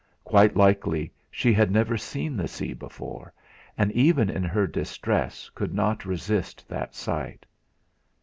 Quite likely she had never seen the sea before, and even in her distress could not resist that sight.